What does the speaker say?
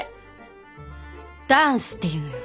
ダンスっていうのよ。